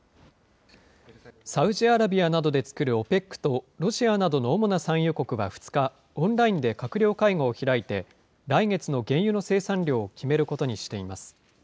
サウジアラビアなどで作るＯＰＥＣとロシアなどの主な産油国は２日、オンラインで閣僚会合を開いて、来月の原油の生産量を決めることにしています。